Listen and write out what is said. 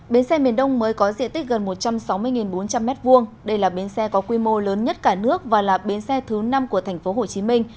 bến xe miền đông mới có diện tích gần một trăm sáu mươi bốn trăm linh m hai đây là bến xe có quy mô lớn nhất cả nước và là bến xe thứ năm của tp hcm